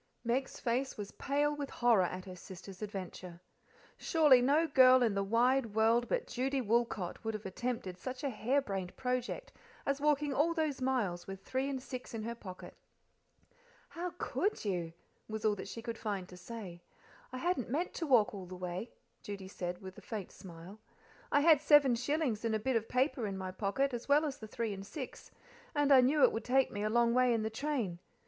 Meg's face was pale with horror at her sister's adventure. Surely no girl in the wide world but Judy Woolcot would have attempted such a harebrained project as walking all those miles with three and six in her pocket. "How COULD you?" was all she could find to say. "I hadn't meant to walk all the way," Judy said, with a faint mile. "I had seven shillings in a bit of paper in my pocket, as well as the three and six, and I knew it would take me a long way in the train.